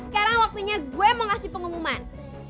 karena waktunya gue mau kasih pengumuman